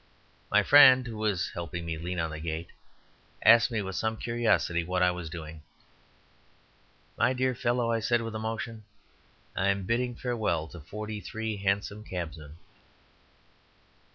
My friend (who was helping me to lean on the gate) asked me with some curiosity what I was doing. "My dear fellow," I said, with emotion, "I am bidding farewell to forty three hansom cabmen."